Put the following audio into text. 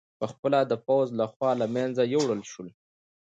په خپله د پوځ له خوا له منځه یووړل شول